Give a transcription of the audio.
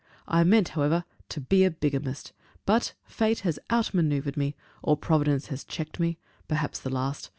I meant, however, to be a bigamist; but fate has out manoeuvred me, or Providence has checked me perhaps the last.